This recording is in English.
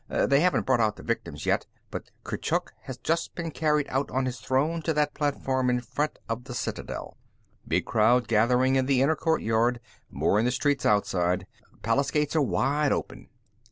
They haven't brought out the victims, yet, but Kurchuk has just been carried out on his throne to that platform in front of the citadel. Big crowd gathering in the inner courtyard; more in the streets outside. Palace gates are wide open."